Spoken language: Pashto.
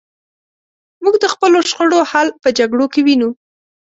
موږ د خپلو شخړو حل په جګړو کې وینو.